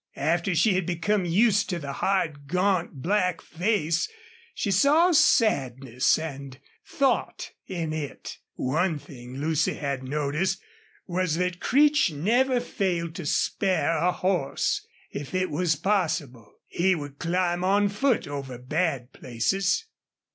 After she had become used to the hard, gaunt, black face she saw sadness and thought in it. One thing Lucy had noticed was that Creech never failed to spare a horse, if it was possible. He would climb on foot over bad places.